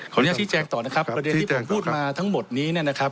อนุญาตชี้แจงต่อนะครับประเด็นที่ผมพูดมาทั้งหมดนี้เนี่ยนะครับ